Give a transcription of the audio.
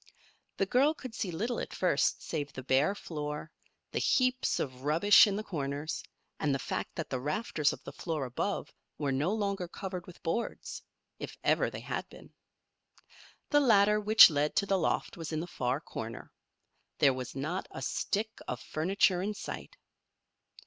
The girl could see little at first save the bare floor, the heaps of rubbish in the corners, and the fact that the rafters of the floor above were no longer covered with boards if ever they had been. The ladder which led to the loft was in the far corner. There was not a stick of furniture in sight.